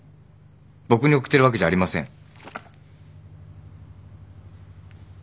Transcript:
僕に送ってるわけじゃありません。